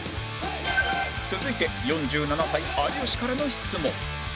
続いて４７歳有吉からの質問